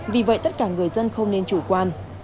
vì vậy tất cả người dân không nên chủ quan